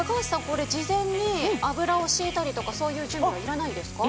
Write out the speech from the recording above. これ事前に油を敷いたりとかそういう準備はいらないですか？